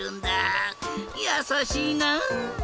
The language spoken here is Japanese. やさしいな！